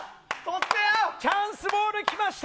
チャンスボールが来ました！